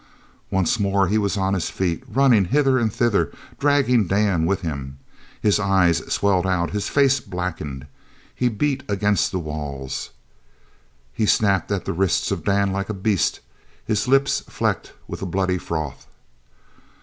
Once more he was on his feet, running hither and thither, dragging Dan with him. His eyes swelled out; his face blackened. He beat against the walls. He snapped at the wrists of Dan like a beast, his lips flecked with a bloody froth.